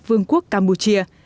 vương quốc campuchia